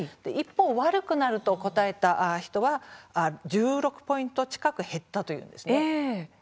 一方、悪くなると答えた人は１６ポイント近く減ったということです。